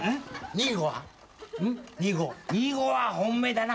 ２−５は本命だな。